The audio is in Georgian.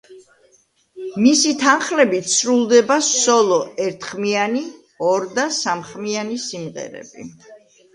მისი თანხლებით სრულდება სოლო ერთხმიანი, ორ და სამხმიანი სიმღერები.